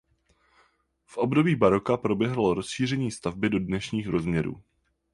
V období baroka proběhlo rozšíření stavby do dnešních rozměrů.